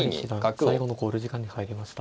都成七段最後の考慮時間に入りました。